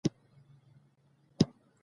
کرنه د خلکو د خوراک بنسټ جوړوي